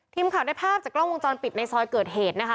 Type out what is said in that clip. ทีมข่าวได้ภาพจากกล้องวงจรปิดในซอยเกิดเหตุนะคะ